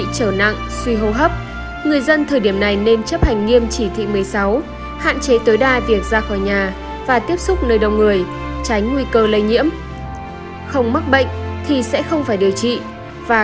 trừ những trường hợp mắc mạng tính đang điều trị ở nhà và bắt buộc cần dùng máy lại không có